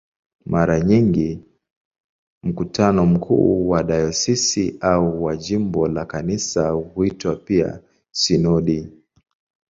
Mara nyingi mkutano mkuu wa dayosisi au wa jimbo la Kanisa huitwa pia "sinodi".